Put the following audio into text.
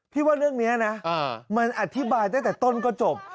ว่าเรื่องนี้นะมันอธิบายตั้งแต่ต้นก็จบ